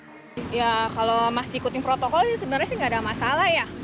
ya kalau masih ikuti protokol sebenarnya sih tidak ada masalah ya